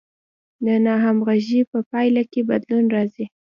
د ناهمغږۍ په پایله کې بدلون راځي.